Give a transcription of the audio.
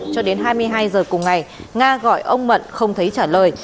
cho đến hai mươi hai giờ cùng ngày nga gọi ông mận không thấy trả lời